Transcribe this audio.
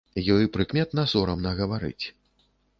Ёй прыкметна сорамна гаварыць.